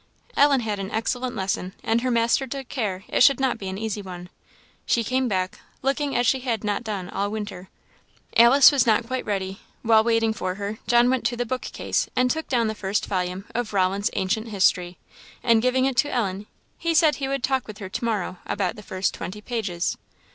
Ellen had an excellent lesson, and her master took care it should not be an easy one. She came back, looking as she had not done all winter. Alice was not quite ready; while waiting for her, John went to the book case and took down the first volume of Rollin's Ancient History; and giving it to Ellen, he said he would talk with her to morrow about the first twenty pages.